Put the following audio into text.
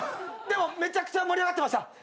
でもめちゃくちゃ盛り上がってました！